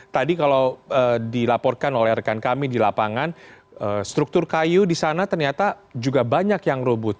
tadi kalau dilaporkan oleh rekan kami di lapangan struktur kayu di sana ternyata juga banyak yang robot